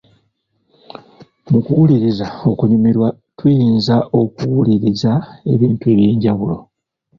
Mu kuwuliriza okunyumirwa tuyinza okuwuliriza ebintu eby’enjawulo.